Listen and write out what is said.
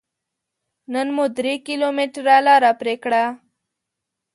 نن مو درې کيلوميټره لاره پرې کړه.